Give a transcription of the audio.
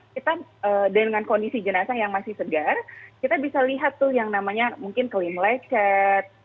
kita dengan kondisi jenazah yang masih segar kita bisa lihat tuh yang namanya mungkin kelim lecet